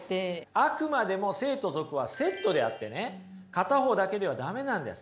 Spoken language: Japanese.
あくまでも聖と俗はセットであってね片方だけでは駄目なんです。